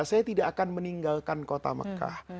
saya tidak akan meninggalkan kota mekah